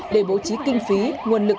để bố trí kinh phí nguồn lực